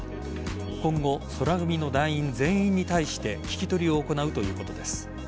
今後、宙組の団員全員に対して聞き取りを行うということです。